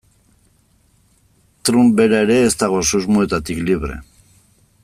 Trump bera ere ez dago susmoetatik libre.